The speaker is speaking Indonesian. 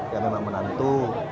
ya memang menantu